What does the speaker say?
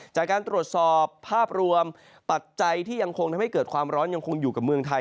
จากการตรวจสอบภาพรวมปัจจัยที่ยังคงทำให้เกิดความร้อนยังคงอยู่กับเมืองไทย